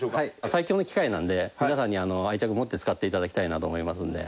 最強の機械なんで皆さんに愛着持って使っていただきたいなと思いますんで。